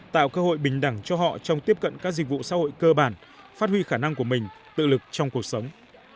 tạo cơ hội bình đẳng cho họ trong tiếp cận các dịch vụ xã hội cơ bản phát huy khả năng của mình tự lực trong cuộc sống